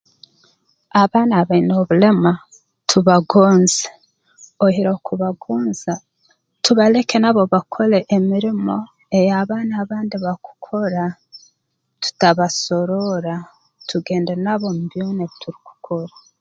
Abaana abaine obulema tubagonze oihireho kubagonza tubaleke nabo bakole emirimo ei abaana abandi bakukora tutabasoroora tugende nabo mu byona ebi turukukora